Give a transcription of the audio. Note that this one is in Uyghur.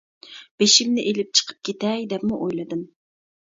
بېشىمنى ئېلىپ چىقىپ كېتەي دەپمۇ ئويلىدىم.